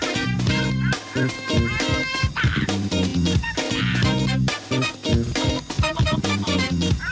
เผ้าใส่ไข่ซบกว่าไข่ไหม้กว่าเดิม